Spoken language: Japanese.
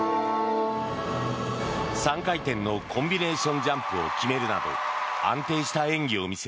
３回転のコンビネーションジャンプを決めるなど安定した演技を見せ